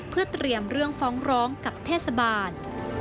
เพื่อเตรียมเรื่องฟ้องร้องกับเทศบาล